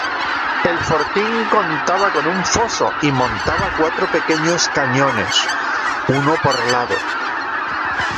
El fortín contaba con un foso y montaba cuatro pequeños cañones, uno por lado.